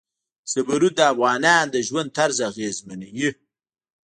زمرد د افغانانو د ژوند طرز اغېزمنوي.